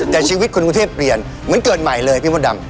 แต่ชีวิตคนกรุงเทพเปลี่ยนเหมือนเกิดใหม่เลยพี่มดดำ